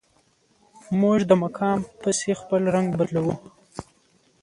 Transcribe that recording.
موږ د مقام پسې خپل رنګ بدلوو.